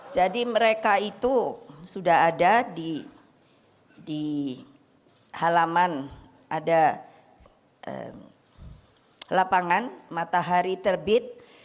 jadi mereka itu sudah ada di halaman ada lapangan matahari terbit